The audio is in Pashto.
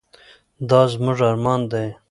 دا زموږ ارمان دی.